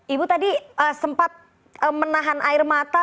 ibu tadi sempat menahan air mata